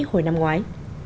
hồi năm ngoái